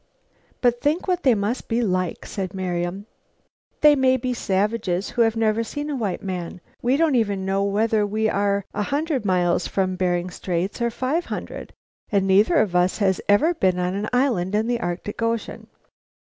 "But think what they may be like!" said Marian. "They may be savages who have never seen a white man. We don't even know whether we are a hundred miles from Bering Straits or five hundred. And neither of us has ever been on an island in the Arctic Ocean!"